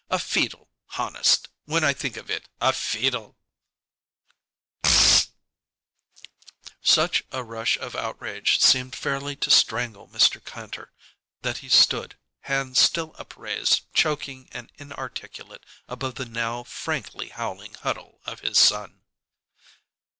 A feedle! Honest when I think on it a feedle!" Such a rush of outrage seemed fairly to strangle Mr. Kantor that he stood, hand still upraised, choking and inarticulate above the now frankly howling huddle of his son.